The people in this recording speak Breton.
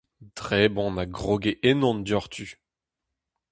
Debron a groge ennon diouzhtu.